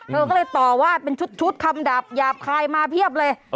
เธอก็เลยต่อว่าเป็นชุดคำดับหยาบคายมาเพียบเลย